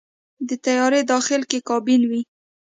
د طیارې داخل کې کابین وي.